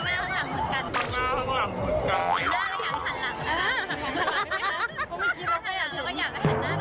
ไม่แน่ใจเหมือนกันอาจจะเป็นหน้าสองค่ะ